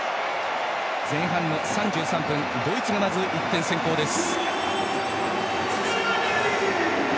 前半の３３分ドイツがまず１点先行です。